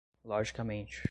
logicamente